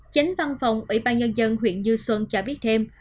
chánh văn phòng ủy ban nhân dân huyện như xuân cho biết thêm